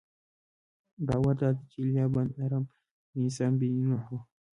باور دادی چې ایلیا بن ارم بن سام بن نوح و.